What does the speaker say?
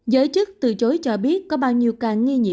giới chức từ chối cho biết có bao nhiêu ca dương tính